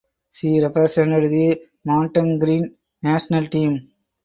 She represented the Montenegrin national team.